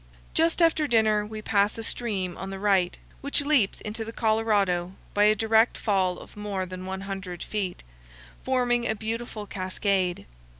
Just after dinner we pass a stream on the right, which leaps into' the Colorado by a direct fall of more than 100 feet, forming a beautiful cascade.